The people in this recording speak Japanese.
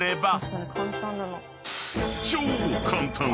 ［超簡単！